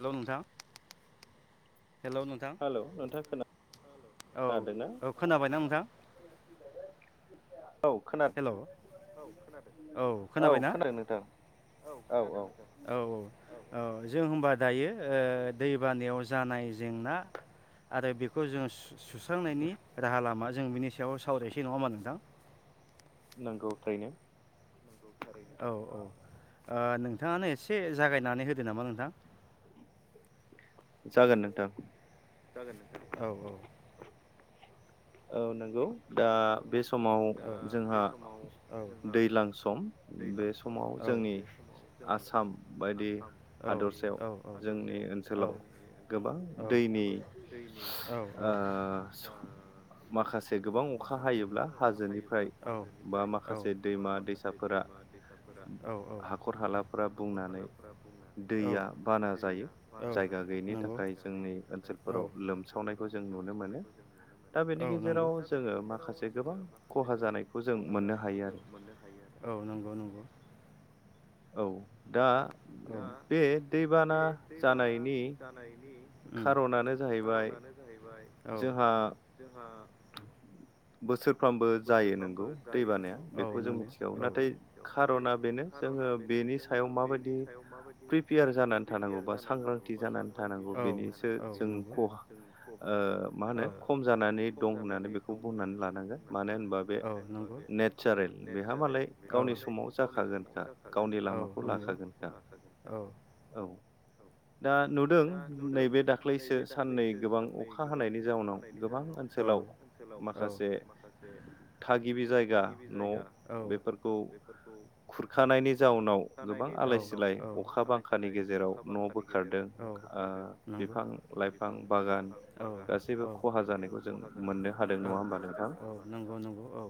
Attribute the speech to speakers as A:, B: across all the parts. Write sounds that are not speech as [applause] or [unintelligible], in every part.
A: हेल' नोंथां हेलौ नोंथां
B: हेलौ नोंथाङा खोना
A: औ औ खोनाबायना नोंथां?
B: औ खोनादों
A: हेलौ औ खोनाबाय ना?
B: खोनादों नोंथां
A: औ खोनादों नोंथां जों होनबा दायो ओ दैबानायाव जानाय जेंना आरो बेखौ जों सु सुस्रांनायनि राहा लामा जों बिनि सायाव सावरायसै नङा होनबा नोंथां?
B: नांगौ थारैनो
A: औ औ ओ नोंथाङानो एसे जागायनानै होदो नामा नोंथां?
B: जागोन नोंथां
A: जागोन औ औ
B: औ नंगौ दा बे समाव जोंहा दैज्लां सम बे समाव जोंनि आसाम बायदि हादरसायाव जोंनि ओनसोलाव गोबां
A: ओनसोलाव
B: दैनि ओ माखासे गोबां अखा हायो।
A: गोबां अखा हायोब्ला बेनिफ्राय
B: माखासे
A: बा
B: दैमा
A: माखासे
B: दैसाफोरा
A: दैमा दैसाफोरा
B: हाखर हालाफोरा बुंनानै
A: औ
B: दैया बाना जायो जायगा गैयिनि
A: नंगौ
B: थाखाय जों जोंनि
A: औ
B: ओनसोलफोराव लोमसावनायखौ जों नुनो मोनो दा बेनि गेजेराव जोङो माखासे गोबां
A: जोङो माखासे
B: खहा
A: गोबां
B: जानायखौ जों
A: खहा
B: मोननो
A: जानायखौ
B: हायो
A: जों
B: आरो
A: मोननो हायो औ नंगौ नंगौ
B: औ दा बे दैबाना जानायनि
A: उम
B: खार'नानो जाहैबाय
A: खारनानो जाहैबाय
B: जोंहा बोसोर फ्रोमबो जायो नोंगौ दै बानाया बेखौ जों मिथिखागौ
A: बेखौ
B: नाथाय खार'ना बेनो जोङो बे बेनि सायाव माबायदि प्रिपेयार जानानै थानांगौ बा सांग्रांथि जानानै थानांगौ बेनिसो जों ख ओ मा
A: खहा
B: होनो खम जानानै दं होननानै बेखौ बुंनानै लानांगोन मानो होनबा बे
A: लानांगोन
B: नेसारेल बेहा मालाय गावनि समाव जागोनखा गावनि लामाखौ खौ लाखागोनखा औ दा नुदों नैबे दाख्लैसो साननै गोबां अखा हानायनि जाउनाव गोबां ओनसोलाव ओनसोलाव माखासे
A: [unintelligible] [inaudible]
B: थागिबि जायगा न' बेफोरखौ खुरखानायनि जाउनाव गोबां आलाय सिलाय अखा बांखानि गेजेराव न' बोखारदों ओ बिफां लाइफां बागान गासैबो खहा जानायखौ जों मोननो हादों नङा होमबा नोंथां
A: औ नंगौ नंगौ औ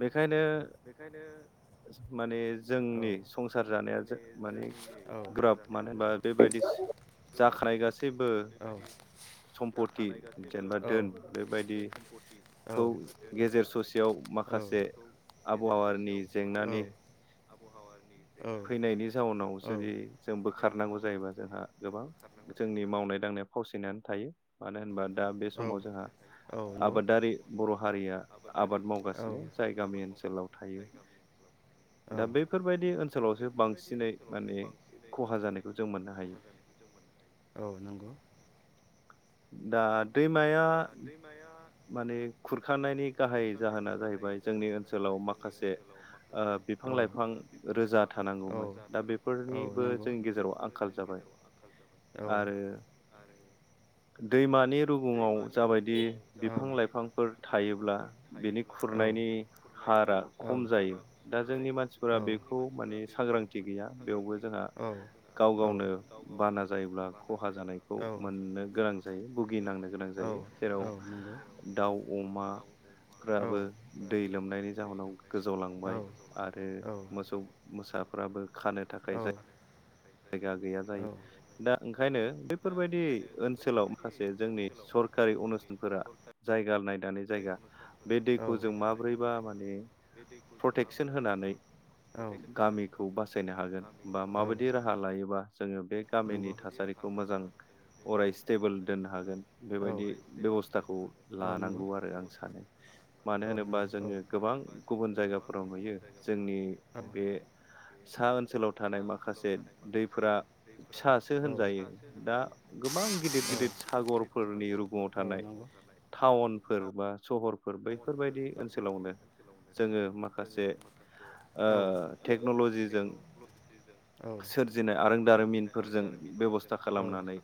B: बेखायनो
A: बेखायनो
B: माने जोंनि संसार जानाया जो माने गोब्राब मानो होनबा बेबायदि जाखानाय गासैबो सम्पति जेनेबा दोन
A: जेनेबा
B: बेबायदिखौ गेजेर ससेयाव माखासे आबहावानि जेंनानि फैनायनि जाउनाव
A: औ
B: जुदि जों बोखारनांगौ जायोबा जोंहा गोबां जोंनि मावनाय दांनाय फावसिनानै थायो मानो होनबा दा बे समाव जोंहा
A: औ
B: आबादारि बर' हारिया आबाद मावगासिनो जाय गामि ओनसोलाव थायो
A: ओ
B: दा बैफोरबायदि ओनसोलावसो बांसिनै माने खहा जानायखौ जों मोननो हायो दा दैमाया माने खुरखानायनि गाहाय जाहोना जाहैबाय जोंनि ओनसोलाव माखासे ओ बिफां लाइफां बिफां लाइफां रोजा थानांगौमोन दा बेफोरनिबो
A: थानांगौ
B: जोंनि गेजेराव आंखाल जाबाय आरो दैमानि रुगुङाव जाबायदि बिफां लाइफांफोर थायोब्ला बिनि खुरनायनि हारा खम जायो दा जोंनि मानसिफोरा बेखौ माने सांग्रांथि गैया बेयावबो जोंहा गाव गावनो
A: जोंहा
B: बाना जायोब्ला खहा जानायखौ मोननो गोनां जायो भुगिनांनो गोनां
A: दाउ
B: जायो जेराव
A: अमा दै
B: दाउ अमा फोराबो दै लोमनायनि जाहोनाव गोजौ लांबाय आरो मोसौ मोसा फोराबो खानो
A: औ
B: थाखाय
A: औ
B: जाय जायगा गैया
A: औ
B: जायो दा ओंखायनो बे बेफोरबायदि ओनसोलाव माखासे जोंनि सरकारि अनुस्थानफोरा जायगानाय जायगा बे
A: औ
B: दैखौ जों माब्रैबा माने प्रटेकसन होनानै गामिखौ बासायनो हागोन बा माबायदि राहा लायोबा जोङो बे गामिनि
A: नंगौ
B: थासारिखौ मोजां अराय स्टेबोल दोननो हागोन बेबायदि बेब'स्थाखौ
A: औ औ नंगौ
B: लानांगौ आरो आं सानो मानो
A: औ
B: होनोबा
A: नंगौ औ
B: जोङो गोबां गुबुन जायगाफोराव नुयो जोंनि
A: औ
B: बे सा ओनसोलाव थानाय माखासे दैफोरा फिसासो
A: औ
B: होनजायो दा गोबां गिदिर गिदिर सागरफोरनि रुगुाव
A: औ
B: थानाय
A: नंगौ औ
B: टाउनफोर बा सहरफोर बैफोरबायदि ओनसोलावनो
A: जोङो
B: ओ
A: माखासे औ
B: टेक्न'ल'जिजों
A: टेकन्नलजिजों
B: सोरजिनाय आरो दारिमिनफोरजों बेब'स्था खालामनानै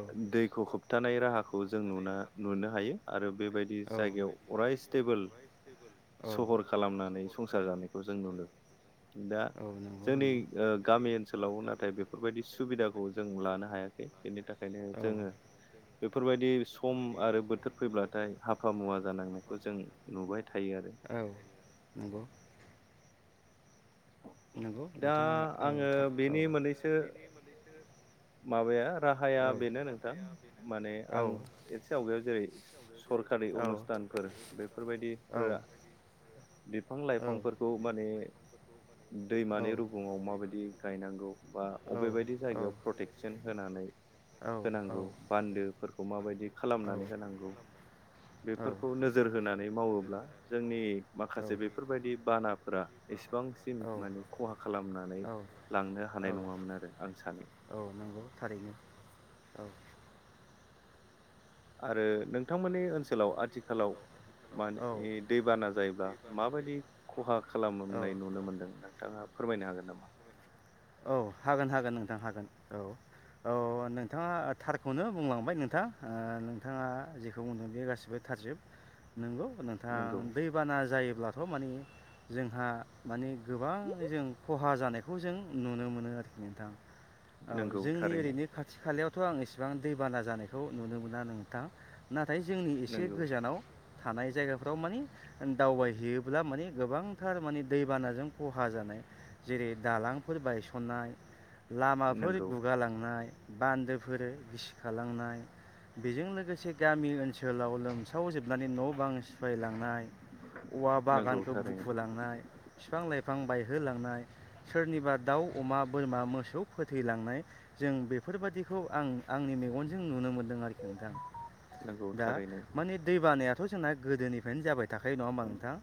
A: औ
B: दैखौ होबथानाय राहाखौ जों नुना नुनो हायो आरो बेबायदि
A: औ
B: जायगायाव अराय स्टेबोल
A: दा
B: सहर खालामनानै संसार जानायखौ जों नुनो दा जोंनि ओ गामि ओनसोलाव नाथाय बेफोरबायदि सुबिदाखौ जों लानो हायाखै बेनि थाखायनो जोङो बेफोरबायदि सम आरो बोथोर फैब्लाथाय हाब हाफा मुवा जानांनायखौ जों नुबाय थायो आरो।
A: औ नंगौ नंगौ
B: दा
A: नोंथाङा औ
B: आंङो बेनि मोननैसो माबाया राहाया बेनो नोंथां माने आं एसे आवगायाव जेरै सरखार आरि अनुस्थानफोर बेफोरबायदिफोरा
A: आयोजन बेफोरबायदि
B: बिफां लाइफांफोरखौ माने
A: बानाफोरा
B: दैमानि रुगुङाव माबायदि गायनांगौ बा अबेबायदि
A: माबा
B: जायगायाव
A: मोनसे
B: प्रटेकसन होनानै होनांगौ बान्दोफोरखौ माबायदि खालामनानै होनांगौ? बेफोरखौ नोजोर होनानै मावोब्ला जोंनि माखासे बेफोरबायदि बान बानाफोरा एसे गोबांसिन माने खहा खालामनानै लांनो
A: औ
B: हानाय नङामोन आरो आं सानो।
A: औ नंगौ थारैनो औ।
B: आरो नोंथांमोननि ओनसोलाव आथिखालाव
A: औ
B: माने दैबाना जायोब्ला माबायदि खहा खालामनाय नुनो मोनदों नोंथाङा फोरमायनो हागोन नामा
A: औ हागोन हागोन नोंथां हागोन औ। औ नोंथाङा थारखौनो बुंलांबाय नोंथां ओ नोंथाङा जेखौ बुंदों बेयो गासिबो थारजोब नंगौ नोंथां
B: नंगौ
A: दैबाना जायो ब्लाथ' माने जोंहा माने गोबाङै जों खहा जानायखौ जों नुनो मोनो आरोखि नोंथां औ
B: नंगौ
A: जोंनि
B: थारैनो
A: ओरैनो खाथि खालायाव' थ' आं इसेबां दैबाना जानायखौ नुनो मोना नोंथां नाथाय जोंनि एसे
B: नंगौ
A: गोजानाव थानाय जायगाफ्राव माने दावबायहैयोब्ला माने गोबांथार माने दैबानाजों खहा जानाय जेरै दालांफोर बायसननाय लामाफोर
B: नंगौ
A: गुगालांनाय बान्दोफोर गिसिखालांनाय बेजों लोगोसे गामि ओनसोलाव लोमसाव जोब नानै न' बां सिफायलांनाय औवा
B: नंगौ
A: बागानखौ
B: थारैनो
A: बुखु लांनाय बिफां लाइफां बायहोलांनाय सोरनिबा दाउ अमा बोरमा मोसौ फोथैलांनाय जों बेफोरबायदिखौ आं आंनि मेगनजों नु नुनो मोनदों आरोखि नोंथां
B: नंगौ
A: दा
B: थारैनो
A: माने दै बानायाथ' जोंना गोदोनिफ्रायनो जाबाय थाखायो नङा हबा नोंथां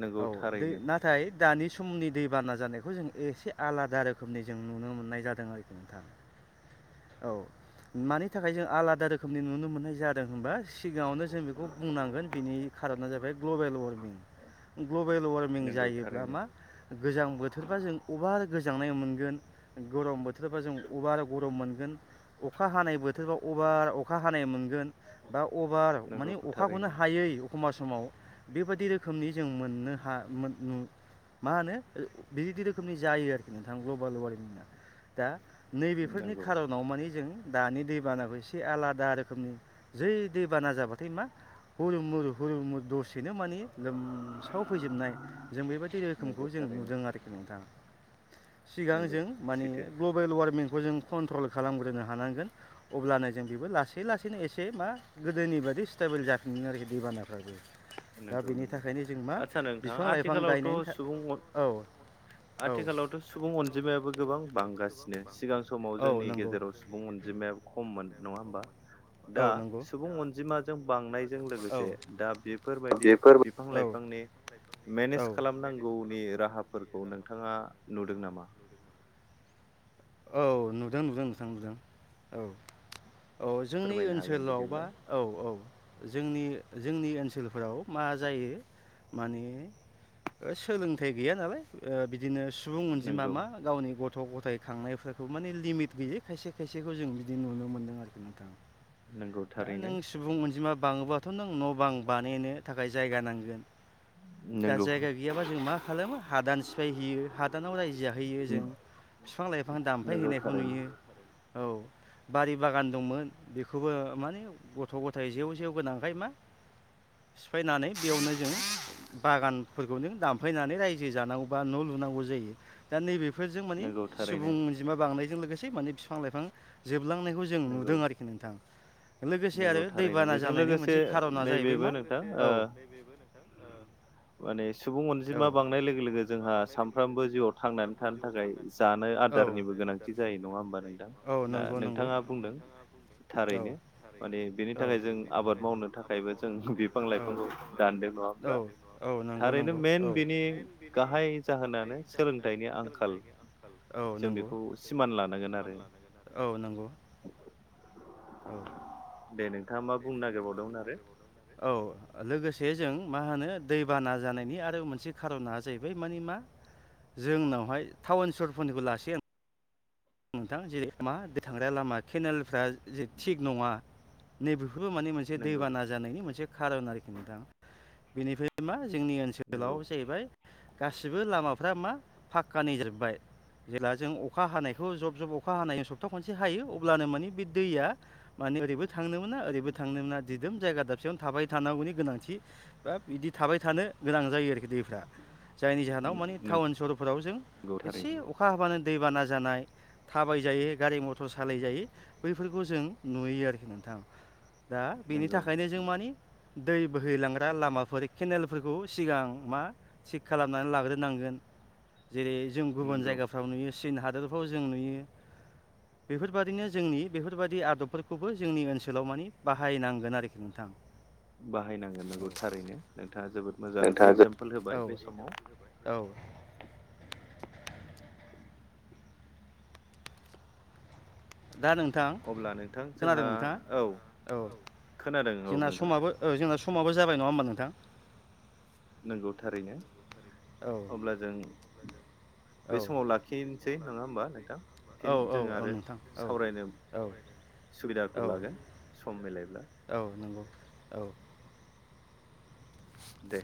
B: नंगौ
A: औ दै
B: थारैनो
A: नाथाय दानि समनि दैबाना जानायखौ जों एसे आलादा रोखोमनि जों नुनो मोननाय जादों आरोखि नोंथां। औ मानि थाखाय जों आलादा रोखोमनि नुनो मोननाय जादों होनबा सिगाङावनो जों बेखौ बुंनांगोन बिनि खारना जाबाय ग्लबेल वारमिं। ग्लबेल वारमिं
B: नंगौ
A: जायोब्ला
B: थारैनो
A: मा गोजां बोथोरबा जों अभार गोजांनाय मोनगोन गरम बोथोरबा जों अभार गरम मोन गोन अखा हानाय बोथोरबा अभार अखा हानाय मोनगोन। बा अभार
B: नंगौ
A: मानि अखाखौनो
B: थारैनो
A: हायै एखमबब्ला समाव बेबाददि रोखोमनि जों मोननो हा मा होनो बिबायदि रोखोमनि जायो आरो। नोंथां ग्लबेल वारमिंआ दा नैबेफोरनि
B: नंगौ
A: खार'नाव माने जों दानि दैबानाखौ एसे आलादा रोखोमनि जै दैबाना जाबा मा हुलमुल हुलमुल दसे बेनो माने लोमसाव फैजोबनाय जों बेबायदि रोखोमखौ
B: नंगौ
A: जों
B: थारैनो
A: नुदों आरोखि नोंथां। सिगां
B: नंगौ
A: जों माने
B: सैथो
A: ग्लबेल वार्मिंखौ जों कन्ट्रल खालामग्रोनो हानांगोन अब्लानो जों बेबो लासै लासैनो एसे मा गोदोनि बायदि स्टाइप [unintelligible] जाफिगोन आरोखि दैबानफ्राबो। दा
B: नंगौ
A: बेनि
B: नंगौ
A: थाखायनो जों मा
B: आदसा नोंथां
A: बिफां लाइफां
B: आथिखालावथ'
A: गायनायनि था
B: सुबुं
A: औ।
B: आथिखालावथ' सुबुं अनजिमायाबो गोबां बांगासिनो सिगां समाव
A: औ
B: जोंनि
A: नंगौ
B: गेजेराव सुबुं अनजिमायाबो खम मोन नंङा होमबा
A: होमबा
B: दा
A: औ नंगौ
B: सुबुं अनजिमाजों बांनायजों लोगोसे दा बे दि बिफां लाइफांनि
A: औ
B: मेनेज खालामनांगौनि राहाफोरखौ नोंथाङा नुदों नामा?
A: औ नुदों नुदों नोंथां नुदों औ। औ जोंनि
B: फोरमायनो हागोन
A: ओनसोलावबा
B: बिदिब्ला
A: औ औ। जोंनि जोंनि ओनसोलफोराव मा जायो माने सोलोंथाइ गैया नालाय बिदिनो सुबुं अनजिमा
B: नंगौ
A: मा गावनि गथ' गथाय खांनायफोरखौ माने लिमिट गैयै खायसे खायसेखौ जों बिदि नुनो मोनदों आरोखि नोंथां।
B: नंगौ
A: दा
B: थारैनो
A: नों सुबुं अनजिमा बाङोबाथ' नों न' बां बानायनो थाखाय जायगा नांगोन दा
B: नंगौ
A: जायगा गैयाबा जों मा खालामो हादान सिफायहैयो हाद टानाव रायजो जाहैयो जों बिफां लाइफां दामफाय
B: नंगौ
A: हैनायखौ
B: थारैनो
A: नुयो। औ बारि बागान दंमोन बेखौबो माने गथ' गथाय जेव जेव गोनांखाय मा सिफायनानै बेयावनो जों बागानफोरखौ नों दानफायनानै रायजो जानांगौ बा न' लुनांगौ जायो दा नैबे बेफोरजों माने
B: नंगौ
A: सुबुं
B: थारैनो
A: अनजिमा बांनायजों लोगोसे माने बिफां लाइफां जोब बुलांनायखौ जों
B: नंगौ
A: नुदों आरोखि नोंथां। लोगोसे आरो
B: नंगौ थारैनो
A: दैबाना
B: बेजों
A: जानायनि
B: लोगोसे
A: मोनसे खार'ना जाहैबाय
B: नैबेबो
A: मा
B: नोंथां ओ
A: औ
B: माने सुबुं
A: औ
B: अनजिमा बांनाय लोगो लोगो जोंहा सानफ्रामबो जिउआव थांनानै थानो थाखाय जानो आदारनिबो गोनां गोनांथि जायो नङा होमबा नोंथां
A: नङा
B: दा
A: होमबा
B: नोंथाङा बुंदों
A: बुंदों
B: थारैनो माने बेनि थाखाय जों आबाद मावनो थाखायबो जों बिफां लाइफांखौ दानदों नङा होमब्ला?
A: औ नंगौ
B: थारैनो
A: नंगौ
B: मेन
A: औ। ओरैनो
B: बिनि
A: मेन बेनि
B: गाहाय
A: गाहाय
B: जाहोनानो
A: जाहोनानो
B: सोलोंथाइनि आंखाल
A: सोलोंथाइनि आंखाल औ
B: जों
A: नंगौ
B: बेखौ
A: जों
B: सिमान
A: बेखौ
B: लानांगोन आरो
A: औ नंगौ औ।
B: दे नोंथाङा मा
A: दे
B: बुंनो
A: नोंथांङा मा
B: नागिरबावदोंमोन
A: बुंनो
B: आरो
A: नागिरबावदोंमोन दायो। औ लोगोसे जों मा होनो दैबाना जानायनि आ रो मोनसे खार'ना जाहैबाय मानि मा जोंनावहाय टाउन सहरफोरनिखौ लासै नोंथां जेरै मा थांग्रा लामा केनेलफ्रा जि थिग नङा नैबे फोरबो माने मोनसे
B: नंगौ
A: दैबाना जानायनि मोनसे खार'न आरोखि नोंथां बेनिफ्राय मा जोंनि
B: नंगौ
A: ओनसोलाव जाहैबाय गासिबो लामा फ्रा मा फाक्का नि जाजोबबाय जेब्ला जों अखा हानाय जब जब अखा हानायनि सप्ता खनसे हायो अब्लानो माने बे दैया माने ओरैबो थांनो मोना ओरैबो थांनो मोना दिदोम जायगा दाबसेयावनो थाबाय थानांगौनि गोनांथि बा बिदि थाबाय थानो गोनां जायो आरो। दैफ्रा जायनि जाहोनाव माने टाउन सहरफोराव जों
B: नंगौ
A: एसे
B: थारैनो
A: अखा हाबानो दैबाना जानाय थाबाय जायै गारि मथर सालायजायै बैफोरखौ जों नुयो आरोखि नोंथां। दा बेनि
B: नंगौ
A: थाखायनो जों मानि दै बोहैलांग्रा लामाफोर केनेल फोरखौ सिगां मा चेक खालामनानै लाग्रोनांगोन। जेरै जों गुबुन
B: नंगौ
A: जायगाफ्राव नुयो चीन हादोरफ्राव जों नुयो बेफोरबादिनो जोंनि बेफोरबादि आदबफोरखौबो जोंनि ओनसोलाव मानि बाहायनांगोन आरोखि नोंथां।
B: बाहायनांगोन नोंगौ थारैनो नोंथाङा जोबोद मोजां एगजामपोल
A: औ
B: होबाय बे समाव।
A: औ। दा नोंथां
B: अब्ला नोंथां
A: खोनादों
B: जोंहा औ
A: नोंथाङा औ।
B: खोनादों औ
A: जोंना
B: नोंथां
A: समाबो जोंना समाबो जाबाय नङा होमबा नोंथां?
B: नंगौ थारैनो
A: औ
B: अब्ला जों
A: औ
B: बे समाव लाखिनोसै नङा होमबा नोंथां?
A: औ
B: फिन
A: औ
B: जों
A: औ
B: आरो
A: नोंथां औ
B: सावरायनो
A: औ औ
B: सुबिदाखौ लागोन सम मिलायब्ला।
A: औ नंगौ औ।
B: दे।